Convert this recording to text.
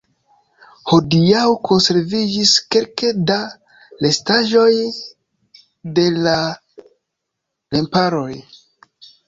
Hodiaŭ konserviĝis kelke da restaĵoj de la remparoj.